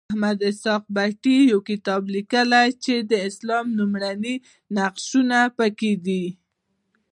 محمد اسحاق بټي یو کتاب لیکلی چې د اسلام لومړني نقشونه پکې دي.